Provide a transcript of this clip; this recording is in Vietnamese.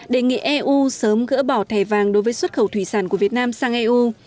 đề nghị eu sớm gỡ bỏ thẻ vàng đối với xuất khẩu thủy sản của việt nam sang eu